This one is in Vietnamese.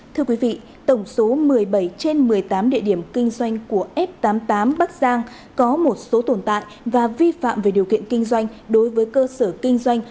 thưa quý vị tổng số một mươi bảy trên một mươi tám địa điểm kinh doanh của f tám mươi tám bắc giang có một số tồn tại và vi phạm về điều kiện kinh doanh đối với cơ sở kinh doanh